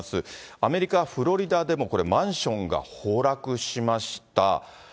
アメリカ・フロリダでも、これ、マンションが崩落しました。